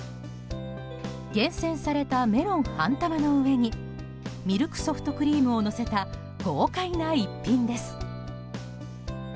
厳選されたメロン半玉の上にミルクソフトクリームをのせた豪快な一品です。